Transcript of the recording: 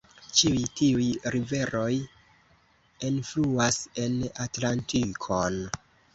Ĉiuj tiuj riveroj enfluas en Atlantikon.